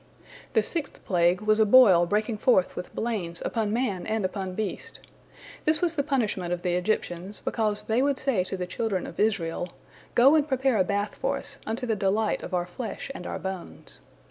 The sixth plague was a boil breaking forth with blains upon man and upon beast. This was the punishment of the Egyptians, because they would say to the children of Israel, "Go and prepare a bath for us unto the delight of our flesh and our bones."